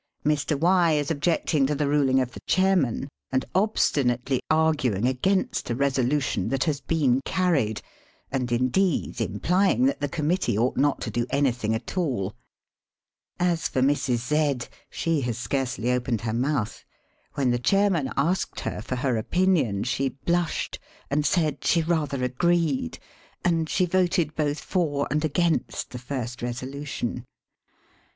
Mr. Y is objecting to the ruling of the Chairman, and ob stinately arguing against a resolution that has been carried, and indeed implying that the Com mittee ought not to do anything at all. As for Mrs. Z she has scarcely opened her mouth ; when the Chairman asked her for her opinion she blushed and said she rather agreed, and she voted both for and against the first resolution.